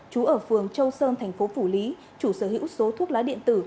chú ở phường châu sơn thành phố phủ lý chủ sở hữu số thuốc lá điện tử